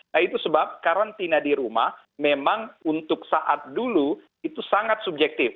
nah itu sebab karantina di rumah memang untuk saat dulu itu sangat subjektif